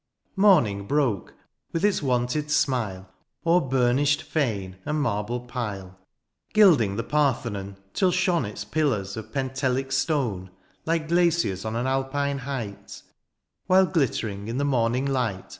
Morning broke^ with its wonted smile^ O'er burnished £ane and marble pile^ Gilding the Parthenon till shone Its pillars of pentelic stone^ Like glaciers on an alpine height ; While glittering in the morning light.